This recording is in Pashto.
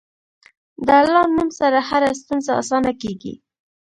د الله نوم سره هره ستونزه اسانه کېږي.